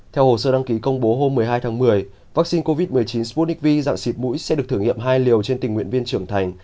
theo hồ sơ đăng ký công bố hôm một mươi hai tháng một mươi vaccine covid một mươi chín sputic vi dạng xịt mũi sẽ được thử nghiệm hai liều trên tình nguyện viên trưởng thành